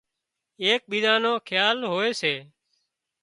ايڪ ٻيزان نو کيال هوئي سي